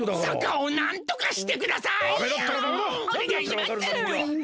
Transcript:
そこをなんとかしてくださいよ！